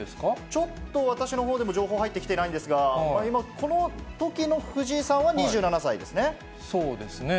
ちょっと私のほうでも情報入ってきてないんですが、今、このときの藤井さんは、２７歳でそうですね。